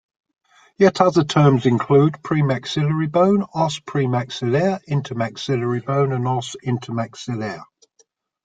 Yet other terms include "premaxillary bone", "os premaxillare", "intermaxillary bone", and "os intermaxillare".